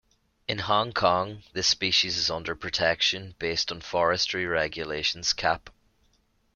In Hong Kong, this species is under protection based on Forestry Regulations Cap.